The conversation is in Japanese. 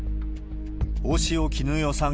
大塩衣与さん